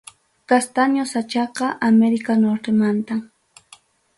Castaño sachaqa América Nortemantam.